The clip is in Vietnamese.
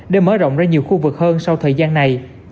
để mở rộng ra nhiều khu vực hơn sau thời gian này